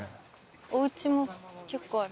おうちも結構ある。